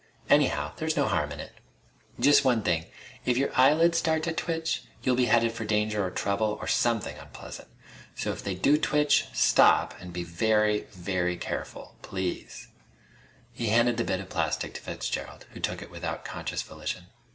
Anyhow there's no harm in it. Just one thing. If your eyelids start to twitch, you'll be headed for danger or trouble or something unpleasant. So if they do twitch, stop and be very, very careful. Please!" He handed the bit of plastic to Fitzgerald, who took it without conscious volition.